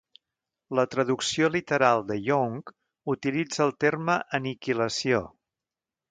La traducció literal de Young utilitza el terme "aniquilació".